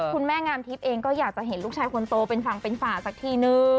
คุณแม่งามทิพย์เองก็อยากจะเห็นลูกชายคนโตเป็นฝั่งเป็นฝ่าสักทีนึง